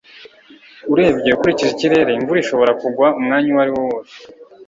urebye ukurikije ikirere, imvura ishobora kugwa umwanya uwariwo wose